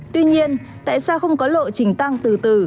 tuy nhiên tại sao không có lộ trình tăng từ từ